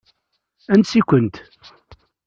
Ansi-kent?